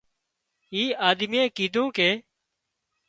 اي آۮميئي ڪيڌون ڪي